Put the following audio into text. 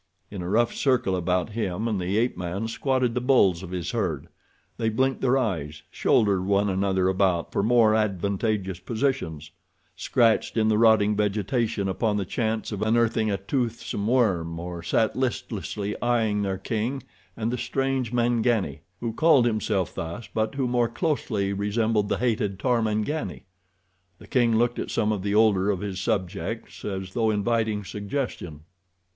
In a rough circle about him and the ape man squatted the bulls of his herd. They blinked their eyes, shouldered one another about for more advantageous positions, scratched in the rotting vegetation upon the chance of unearthing a toothsome worm, or sat listlessly eyeing their king and the strange Mangani, who called himself thus but who more closely resembled the hated Tarmangani. The king looked at some of the older of his subjects, as though inviting suggestion.